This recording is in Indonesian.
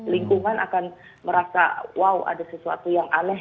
lingkungan akan merasa wow ada sesuatu yang aneh